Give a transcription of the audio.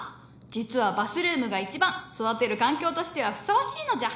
実はバスルームが一番育てる環境としてはふさわしいのじゃ。